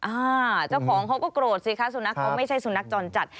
อ่าเจ้าของเขาก็โกรธสิคะสุนัขเขาไม่ใช่สุนัขจรจัด